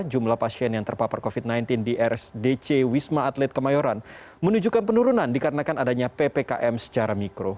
jumlah pasien yang terpapar covid sembilan belas di rsdc wisma atlet kemayoran menunjukkan penurunan dikarenakan adanya ppkm secara mikro